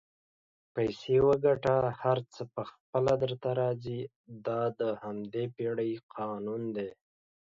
پیسې وګټه هر څه پخپله درته راځي دا د همدې پیړۍ قانون دئ